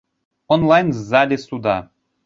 Онлайн з залі суда.